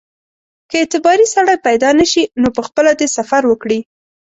که اعتباري سړی پیدا نه شي نو پخپله دې سفر وکړي.